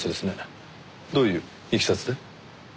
どういういきさつで？